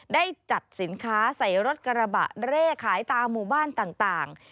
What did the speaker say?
ได้จัดสินค้าใส่รถกระบะเร่ขายตามหมู่บ้านต่าง